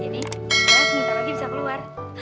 jadi kalian sebentar lagi bisa keluar